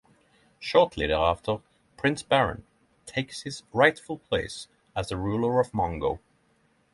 Shortly thereafter, Prince Barin takes his rightful place as the ruler of Mongo.